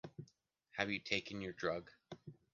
Have you taken your drug?